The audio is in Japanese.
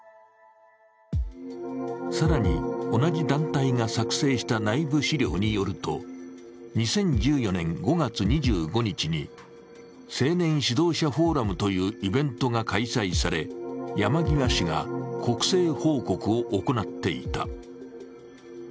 更に、同じ団体が作成した内部資料によると、２０１５年５月２５日に青年指導者フォーラムというイベントが開催され山際氏が国政報告を行っていた。